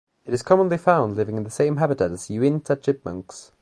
It is commonly found living in the same habitat as Uinta chipmunks.